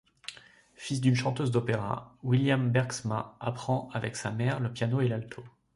Fils d'une chanteuse d'opéra, William Bergsma apprend avec sa mère le piano et l'alto.